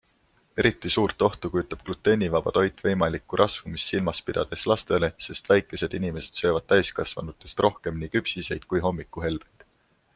Eriti suurt ohtu kujutab gluteenivaba toit võimalikku rasvumist silmas pidades lastele, sest väikesed inimesed söövad täiskasvanutest rohkem nii küpsiseid kui hommikuhelbeid.